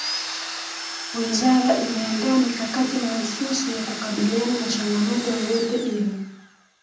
Wizara imeandaa mikakati mahsusi ya kukabiliana na changamoto yoyote ile